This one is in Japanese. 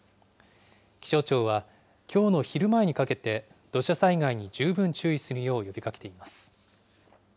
気象庁は、きょうの昼前にかけて、土砂災害に十分注意するよう呼びかけています。